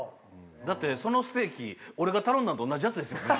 だってそのステーキ俺が頼んだのと同じやつですよね？